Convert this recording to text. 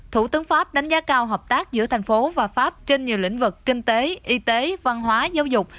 thủ tướng pháp đánh giá cao hợp tác giữa thành phố và pháp trên nhiều lĩnh vực kinh tế y tế văn hóa giáo dục